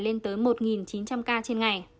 lên tới một chín trăm linh ca trên ngày